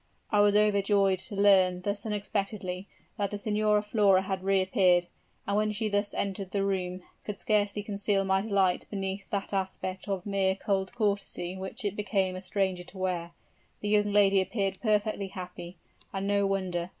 I was overjoyed to learn thus unexpectedly, that the Signora Flora had reappeared; and when she entered the room, could scarcely conceal my delight beneath that aspect of mere cold courtesy which it became a stranger to wear. The young lady appeared perfectly happy, and no wonder!